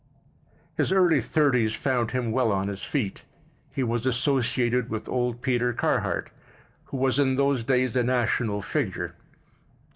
His early thirties found him well on his feet. He was associated with old Peter Carhart, who was in those days a national figure.